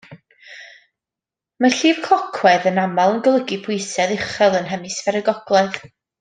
Mae llif clocwedd yn aml yn golygu pwysedd uchel yn Hemisffer y Gogledd.